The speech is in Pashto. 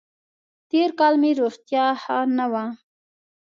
تېر کال مې روغتیا ښه نه وه